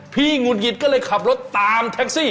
หงุดหงิดก็เลยขับรถตามแท็กซี่